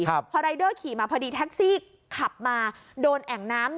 พอรายเดอร์ขี่มาพอดีแท็กซี่ขับมาโดนแอ่งน้ำ